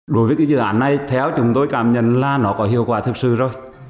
đối với cái dự án này theo chúng tôi cảm nhận là nó có hiệu quả thực sự rồi